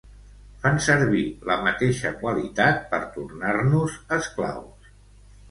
Fan servir la mateixa qualitat per tornar-nos esclaus.